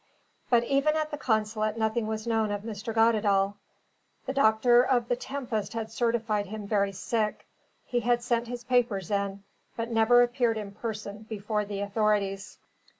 But even at the consulate nothing was known of Mr. Goddedaal. The doctor of the Tempest had certified him very sick; he had sent his papers in, but never appeared in person before the authorities.